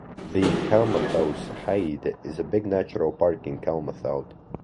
The "Kalmthoutse Heide" is a big natural park in Kalmthout.